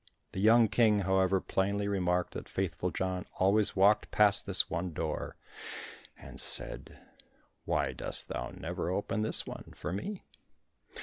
The young King, however, plainly remarked that Faithful John always walked past this one door, and said, "Why dost thou never open this one for me?"